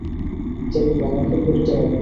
দেখুন, আমাকে রাখতে হবে।